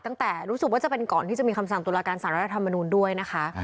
รู้สึกว่าจะเป็นก่อนที่จะมีคำสั่งตุลาการสารรัฐธรรมนูลด้วยนะคะ